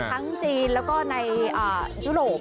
ทั้งจีนแล้วก็ในยุโรป